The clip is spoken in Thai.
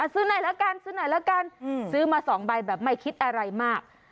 ซื้อไหนแหละกันซื้อมาสองใบแบบไม่คิดอะไรมาก